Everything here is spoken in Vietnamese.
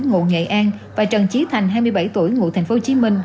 ngụ nghệ an và trần trí thành hai mươi bảy tuổi ngụ thành phố hồ chí minh